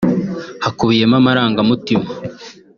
hakubiyemo amarangamutima